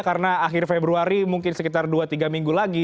karena akhir februari mungkin sekitar dua tiga minggu lagi